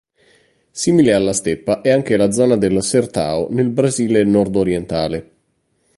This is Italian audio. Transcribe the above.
Simile alla steppa è anche la zona del "sertão" nel Brasile nordorientale.